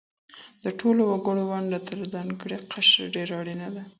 د ټولو وګړو ونډه تر ځانګړي قشر ډېره اړينه ده.